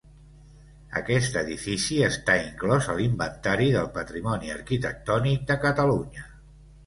Aquest edifici està inclòs a l'Inventari del Patrimoni Arquitectònic de Catalunya.